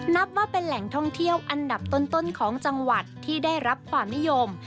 นับว่าเป็นแหล่งท่องเที่ยวอันดับต้นของจังหวัดที่ได้รับความนิยม